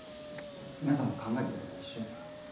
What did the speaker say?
皆さんと考えてることは一緒です。